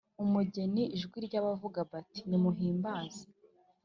umugeni ijwi ry abavuga bati Nimuhimbaze